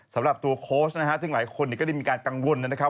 สำหรับตัวโค้ชนะฮะซึ่งหลายคนก็ได้มีการกังวลนะครับ